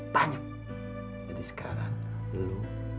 saya mau pergi ke dalam brengseol